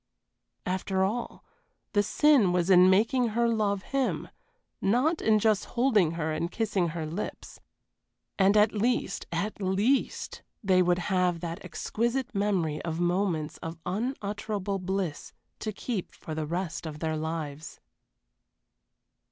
After all, the sin was in making her love him, not in just holding her and kissing her lips. And at least, at least, they would have that exquisite memory of moments of unutterable bliss to keep for the rest of their lives.